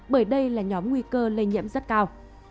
bởi đây là nhóm nguy cơ lây nhiễm rất cao